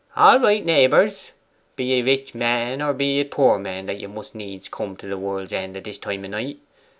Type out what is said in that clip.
'All right, naibours! Be ye rich men or be ye poor men, that ye must needs come to the world's end at this time o' night?